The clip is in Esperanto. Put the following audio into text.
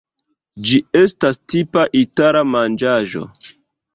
Ĝi estas tipa itala manĝaĵo.